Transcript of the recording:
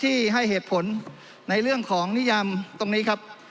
ให้เหตุผลในเรื่องของนิยามตรงนี้ครับ